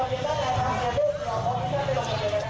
หนึ่งเนี่ย